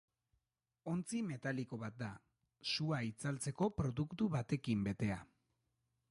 Ontzi metaliko bat da, sua itzaltzeko produktu batekin betea.